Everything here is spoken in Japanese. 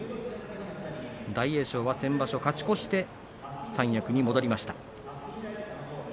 大栄翔は先場所、勝ち越して三役に戻りました。